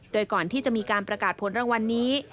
โดยก่อนที่จะมีการประกาศผลรางวัลนี้